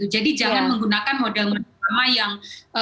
jadi jangan menggunakan modal yang